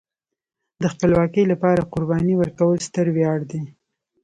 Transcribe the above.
د خپلواکۍ لپاره قرباني ورکول ستر ویاړ دی.